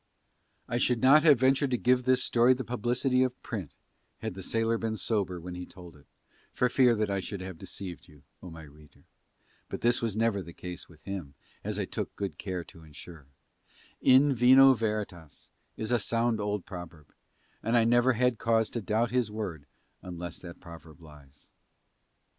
I should not have ventured to give this story the publicity of print had the sailor been sober when he told it, for fear that he I should have deceived you, O my reader; but this was never the case with him as I took good care to ensure: "in vino veritas" is a sound old proverb, and I never had cause to doubt his word unless that proverb lies.